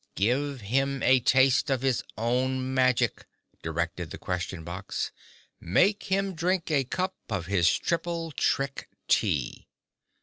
"Give him a taste of his own magic," directed the Question Box. "Make him drink a cup of his Triple Trick Tea."